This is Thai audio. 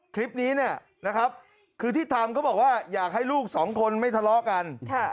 คลิปนี้เนี่ยนะครับคือที่ทำเขาบอกว่าอยากให้ลูกสองคนไม่ทะเลาะกัน